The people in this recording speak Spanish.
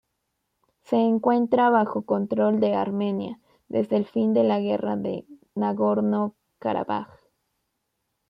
Se encuentra bajo control de Armenia desde el fin de la guerra de Nagorno-Karabaj.